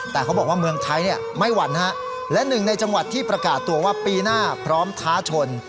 แต่เขาบอกว่าเมืองไทยไม่หวั่นและหนึ่งในจังหวัดที่ประกาศตัวว่าปีหน้าพร้อมท้าชน